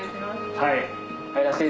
はい。